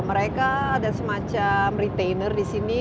mereka ada semacam retainer di sini